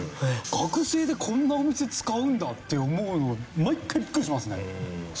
学生でこんなお店使うんだって思うの毎回ビックリしますね。